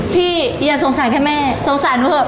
พี่อย่าสงสัยแค่แม่สงสัยด้วยค่ะ